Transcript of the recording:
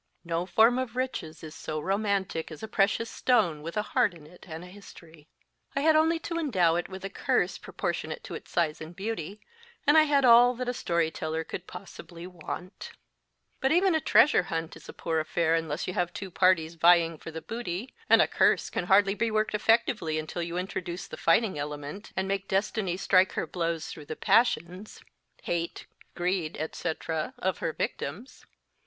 No form of riches is so romantic as a precious stone with a heart in it and a history. I had only to endow it with a curse proportionate to its size and beauty, and I had all that a story teller could possibly want, But even a treasure hunt is a poor affair unless you have two parties vying for the booty, and a curse can hardly be worked effectively until you introduce the fighting element, and make destiny strike her blows through the passions hate, greed, &c. of her victims.